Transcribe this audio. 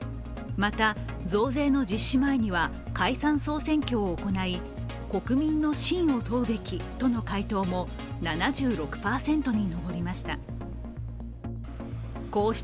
また、増税の実施前には解散総選挙を行い、国民の信を問うべきとの回答も７６％に上りました。